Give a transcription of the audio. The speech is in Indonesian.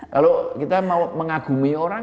kalau kita mau mengagumi orang